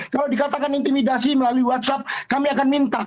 kalau dikatakan intimidasi melalui whatsapp kami akan minta